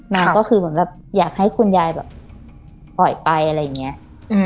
ก็คือเหมือนแบบอยากให้คุณยายแบบปล่อยไปอะไรอย่างนี้